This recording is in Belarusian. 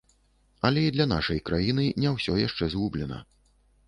Але і для нашай краіны не ўсё яшчэ згублена.